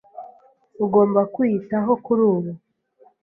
ugomba kwiyitaho kuri ubu